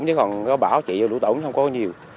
chứ còn bão chạy vừa đủ tổn không có nhiều